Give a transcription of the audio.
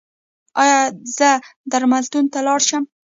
ایا زه درملتون ته لاړ شم؟